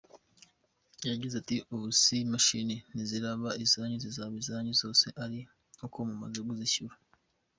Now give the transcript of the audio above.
Yagize ati "Ubu izi mashini ntiziraba izanyu zizaba izanyu zose ari uko mumaze kuzishyura.